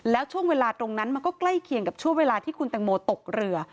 แล้วช่วงเวลาตรงนั้นมันก็ใกล้เคียงกับช่วงเวลาที่คุณตังโมตกเรือ